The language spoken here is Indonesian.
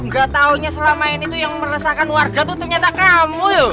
gatau selama ini yang meresahkan warga ternyata kamu